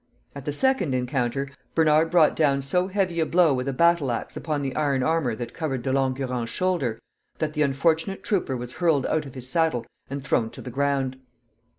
At the second encounter, Bernard brought down so heavy a blow with a battle axe upon the iron armor that covered De Langurant's shoulder, that the unfortunate trooper was hurled out of his saddle and thrown to the ground.